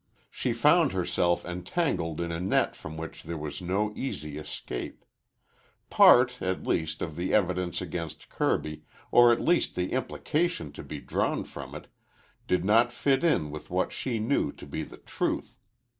She found herself entangled in a net from which there was no easy escape. Part, at least, of the evidence against Kirby, or at least the implication to be drawn from it, did not fit in with what she knew to be the truth.